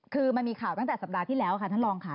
คือมันมีข่าวตั้งแต่สัปดาห์ที่แล้วค่ะท่านรองค่ะ